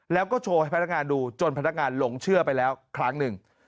แล้วก็โชว์ให้พนักงานดูจนพนักงานหลงเชื่อไปแล้วครั้งหนึ่ง